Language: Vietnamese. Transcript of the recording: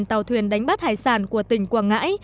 tàu thuyền đánh bắt hải sản của tỉnh quảng ngãi